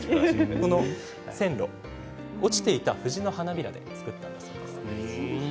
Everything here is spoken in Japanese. この線路は落ちていた藤の花びらで作ったそうです。